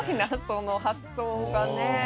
その発想がね。